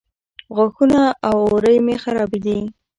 غاښونه او اورۍ مې خرابې دي